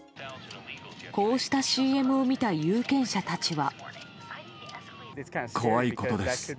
こうしたＣＭを見た有権者たちは。